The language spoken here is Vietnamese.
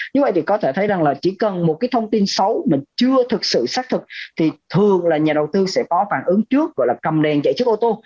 như vậy thì có thể thấy rằng là chỉ cần một cái thông tin xấu mình chưa thực sự xác thực thì thường là nhà đầu tư sẽ có phản ứng trước gọi là cầm đèn chạy trước ô tô